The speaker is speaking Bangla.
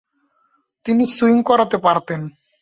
তিনি সুইং করাতে পারতেন।